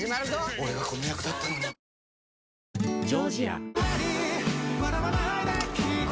俺がこの役だったのに先生！